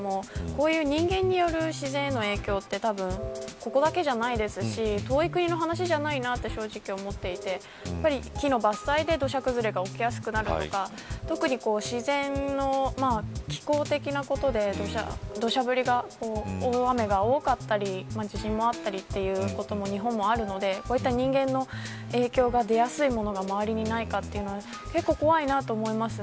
もし、近くにいたらと思うと怖いですけど人間による自然への影響ってここだけじゃないですし遠い国の話じゃないなって正直、思っていて木の伐採で土砂崩れが起きやすくなるとか特に、自然の気候的なことで土砂降りが大雨が多かったり地震もあったりということも日本もあるので人間の影響が出やすいものがないかというのは結構、怖いなと思います。